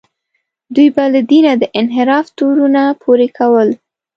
دوی به له دینه د انحراف تورونه پورې کول.